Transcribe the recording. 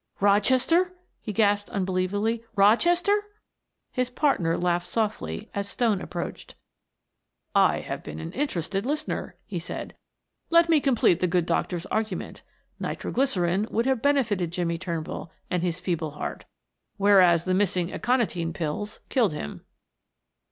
"Rochester?" he gasped unbelievingly. "Rochester!" His partner laughed softly as Stone approached. "I have been an interested listener," he said. "Let me complete the good doctor's argument. Nitro glycerine would have benefitted Jimmie Turnbull and his feeble heart; whereas the missing aconitine pills killed him."